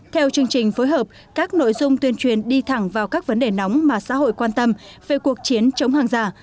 theo chương trình phối hợp các nội dung tuyên truyền đi thẳng vào các vấn đề nóng mà xã hội quan tâm về cuộc chiến chống hàng giả